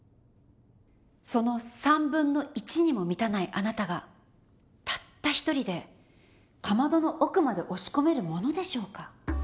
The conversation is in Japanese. その1/3にも満たないあなたがたった一人でかまどの奥まで押し込めるものでしょうか？